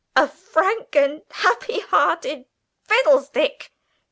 "A frank and happy hearted fiddlestick!"